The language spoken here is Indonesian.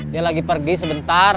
dia lagi pergi sebentar